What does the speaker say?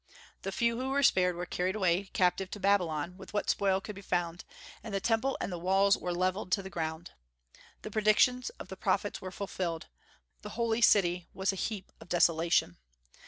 The few who were spared were carried away captive to Babylon with what spoil could be found, and the Temple and the walls were levelled to the ground. The predictions of the prophets were fulfilled, the holy city was a heap of desolation.